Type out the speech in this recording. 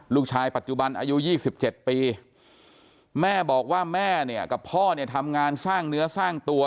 ลูกชายปัจจุบันอายุ๒๗ปีแม่บอกว่าแม่กับพ่อทำงานสร้างเนื้อสร้างตัว